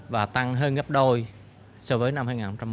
và tăng hơn gấp đôi so với năm hai nghìn một mươi bảy